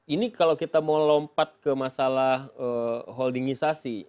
ini kalau kita mau lompat ke masalah holdingisasi